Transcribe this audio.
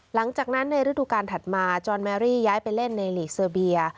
หลังจากนั้นในฤดูการถัดมาจอนแมรี่ย้ายไปเล่นในหลีกเซอร์เบีย